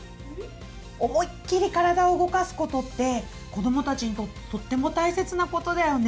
思いっきり体を動かすことって子どもたちにとってとっても大切なことだよね。